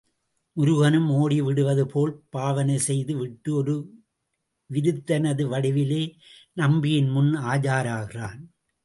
முருகனும் ஓடிவிடுவது போல் பாவனை செய்து விட்டு ஒரு விருத்தனது வடிவிலே நம்பியின் முன் ஆஜராகிறான்.